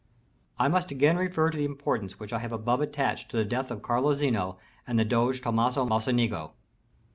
§ XL. I must again refer to the importance which I have above attached to the death of Carlo Zeno and the doge Tomaso Mocenigo.